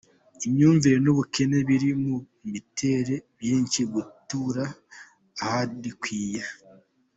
Imyumvire n’ubukene biri mu bitera benshi gutura ahadakwiye